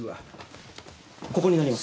ここになります。